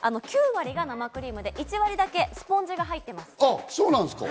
９割が生クリームで１割だけスポンジが入っています。